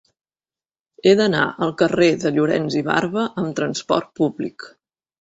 He d'anar al carrer de Llorens i Barba amb trasport públic.